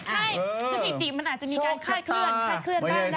ใช่สถิติมันอาจจะมีการคาดเคลื่อนคาดเคลื่อนได้